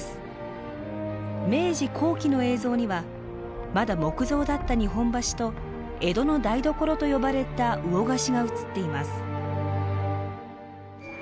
明治後期の映像にはまだ木造だった日本橋と江戸の台所と呼ばれた魚河岸が映っています。